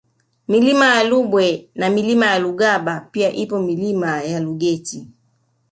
Milima ya Lubwe na Mlima Lugaba pia ipo Milima ya Lugeti